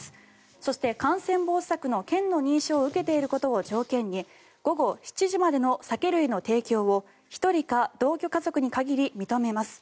そして感染防止策の県の認証を受けていることを条件に午後７時までの酒類の提供を１人か同居家族に限り認めます。